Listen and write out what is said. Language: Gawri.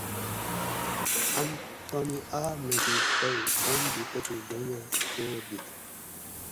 اۤن تانی آۤر ناٹی تئ پم گی تتھیں ڈونگ اۤ ڛور دِت